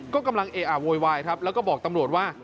ก็กำลังเออะโวยวายครับแล้วก็บอกตำรวจว่า